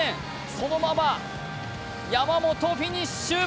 そのまま山本フィニッシュ！